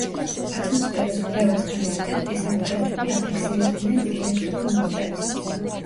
ატმოსფეროს კვლევასთან ერთად ეს აპარატები აფიქსირებდნენ ელექტრულ მუხტებს.